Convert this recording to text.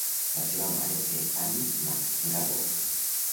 La seva mare era Anne McGavock.